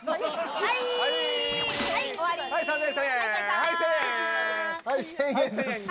はい１０００円ずつ。